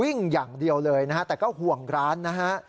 วิ่งอย่างเดียวเลยนะฮะแต่ก็ห่วงร้านนะฮะ